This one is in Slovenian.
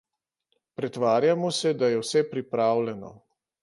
Pretvarjamo se, da je vse pripravljeno.